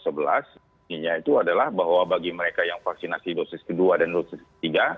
ininya itu adalah bahwa bagi mereka yang vaksinasi dosis ke dua dan dosis ke tiga